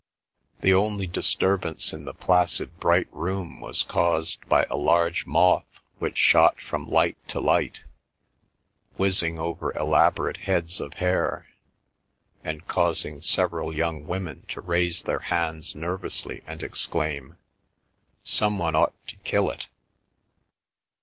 The only disturbance in the placid bright room was caused by a large moth which shot from light to light, whizzing over elaborate heads of hair, and causing several young women to raise their hands nervously and exclaim, "Some one ought to kill it!"